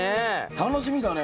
楽しみだね。